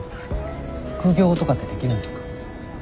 副業とかってできるんですか？